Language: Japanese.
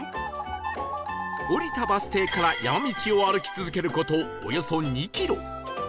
降りたバス停から山道を歩き続ける事およそ２キロ